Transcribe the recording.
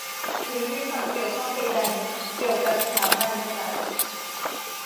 หรือมีความเกี่ยวข้องใดใด เกี่ยวกับสถาบันกษัตริย์